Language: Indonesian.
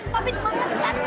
papi mama bentar